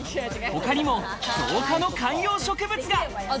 他にも造花の観葉植物が。